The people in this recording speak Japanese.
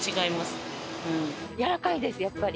やわらかいですやっぱり。